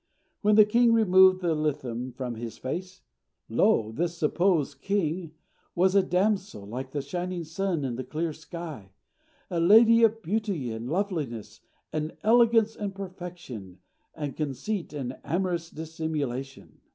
When the king removed the litham from his face, lo! this supposed king was a damsel, like the shining sun in the clear sky, a lady of beauty and loveliness, and elegance and perfection, and conceit and amorous dissimulation.